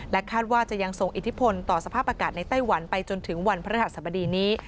คาดว่าจะยังส่งอิทธิพลต่อสภาพอากาศในไต้หวันไปจนถึงวันพระหัสบดีนี้